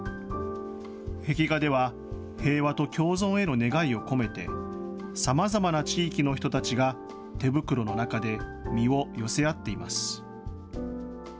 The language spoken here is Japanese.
壁画では平和と共存への願いを込めてさまざまな地域の人たちが手袋の中で身を寄せ合っています。